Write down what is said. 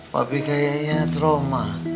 papi kayaknya trauma